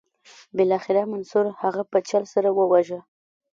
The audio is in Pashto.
بالاخره منصور هغه په چل سره وواژه.